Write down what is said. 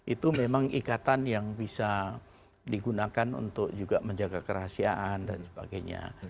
itu memang ikatan yang bisa digunakan untuk juga menjaga kerahasiaan dan sebagainya